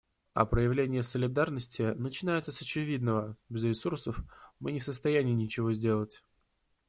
А проявление солидарности начинается с очевидного: без ресурсов мы не в состоянии ничего сделать.